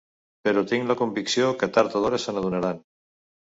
Però tinc la convicció que tard o d’hora se n’adonaran.